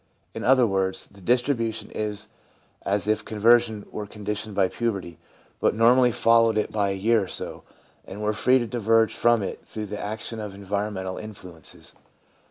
In other words, the distribution is much as if conversion were conditioned by puberty, but normally followed it by a year or so, and were free to diverge from it through the action of environ mental influences.